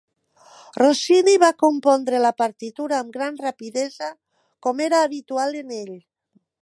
Rossini va compondre la partitura amb gran rapidesa, com era habitual en ell.